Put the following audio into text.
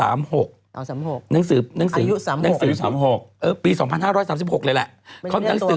๓๔๓๖อายุ๓๖ปี๒๕๓๖เลยล่ะ